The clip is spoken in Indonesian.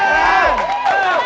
sampai jumpa lagi